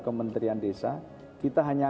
kementerian desa kita hanya